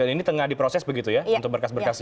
dan ini tengah diproses begitu ya untuk berkas berkasnya